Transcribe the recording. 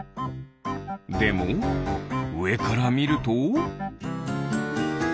でもうえからみると？